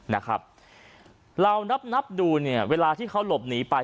นะครับเรานับนับดูเนี่ยเวลาที่เขาหลบหนีไป